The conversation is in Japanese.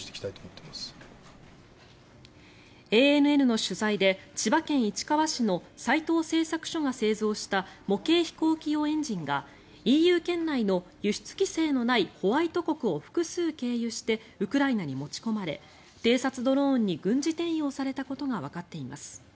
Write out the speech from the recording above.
ＡＮＮの取材で千葉県市川市の斎藤製作所が製造した模型飛行機用エンジンがＥＵ圏内の輸出規制のないホワイト国を複数経由してウクライナに持ち込まれ偵察ドローンに軍事転用されたことがわかっています。